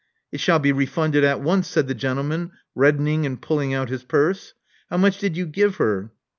It shall be refunded at once," said the gentleman, reddening and pulling out his purse. How much did you give her?"